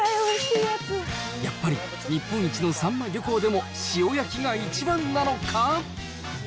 やっぱり、日本一のサンマ漁港でも、塩焼きが一番なのか？